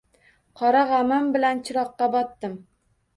Qora g‘amim bilan chiroqqa botdim.